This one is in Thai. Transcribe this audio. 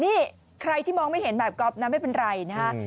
นี่ใครที่มองไม่เห็นแบบก๊อฟนะไม่เป็นไรนะฮะ